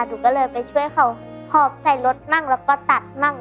หนูก็เลยไปช่วยเขาหอบใส่รถมั่งแล้วก็ตัดมั่ง